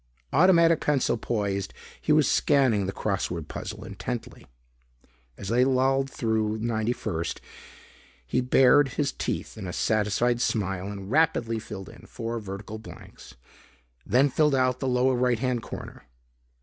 Automatic pencil poised, he was scanning the crossword puzzle intently. As they lolled through 91st, he bared his teeth in a satisfied smile and rapidly filled in four vertical blanks, then filled out the lower right hand corner.